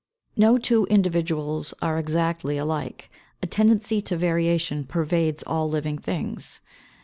No two individuals are exactly alike; a tendency to variation pervades all living things.